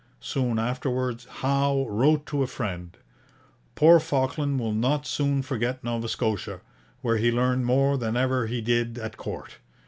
Soon afterwards Howe wrote to a friend: 'Poor Falkland will not soon forget Nova Scotia, where he learned more than ever he did at Court.